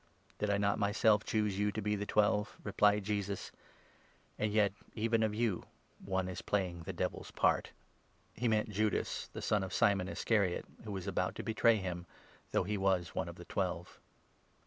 " Did not I myself choose you to be the Twelve?" replied Jesus ; "and yet, even of you, one is playing the ' Devil's' part." » P«. 16. io. W Esther 7. 4. . JOHN, 6 7. 179 He meant Judas, the son of Simon Iscariot, who was about to 71 betray him, though he was one of the Twelve.